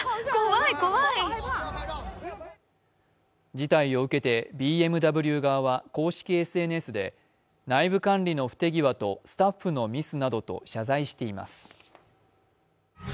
事態を受けてＢＭＷ側は公式ＳＮＳで内部管理の不手際とスタッフのミスなどと謝罪しています。